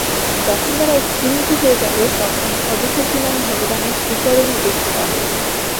যখন তারা স্তিমিত হয়ে যাবে, তখন সর্বশক্তিমান ভগবানের শ্রীচরণ দেখতে পাবে।